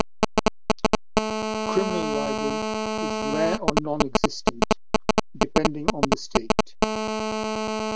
Criminal libel is rare or nonexistent, depending on the state.